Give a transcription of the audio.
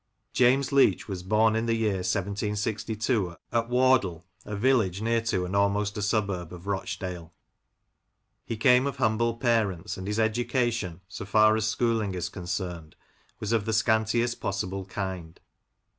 James Leach was born in the year 1762, at Wardle, a Village near to and almost a suburb of Rochdale. He came of humble parents, and his education, so far as schooling is concerned, was of the scantiest possible kind.